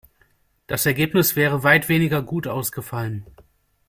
Das Ergebnis wäre weit weniger gut ausgefallen.